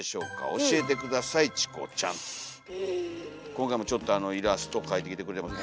今回もちょっとあのイラスト描いてきてくれてます。